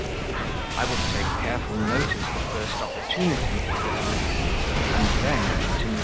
"I will take careful notice the first opportunity," said I. "And then," continued M.